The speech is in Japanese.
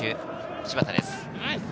芝田です。